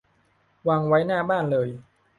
วางไว้หน้าบ้านเลย